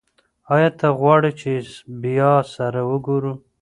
ایا ته غواړې چې بیا سره وګورو؟